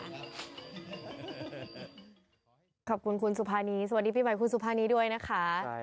ขอบคุณคุณสุภานีสวัสดีพี่ใหม่คุณสุภานีด้วยนะคะ